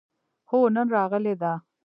هو، نن راغلې ده